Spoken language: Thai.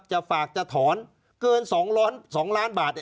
จะฝากจะถอนเกิน๒ล้านบาท